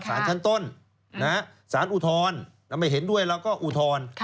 สารชั้นต้นสารอุทธรณ์เราไม่เห็นด้วยเราก็อุทธรณ์